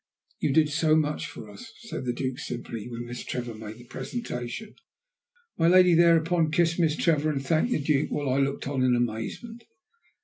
"You did so much for us," said the Duke simply, when Miss Trevor made the presentation. My lady thereupon kissed Miss Trevor and thanked the Duke, while I looked on in amazement.